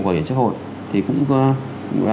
bảo hiểm xã hội thì cũng